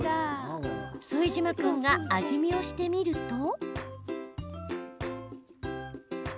副島君が味見をしてみると。